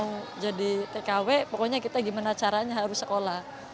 mau jadi tkw pokoknya kita gimana caranya harus sekolah